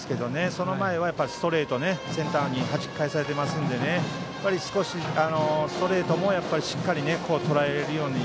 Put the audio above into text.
その前はストレートをセンターにはじき返されているのでやっぱり少し、ストレートもしっかりとらえられるように。